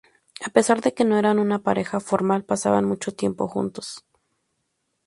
A pesar de que no eran una pareja formal, pasaban mucho tiempo juntos.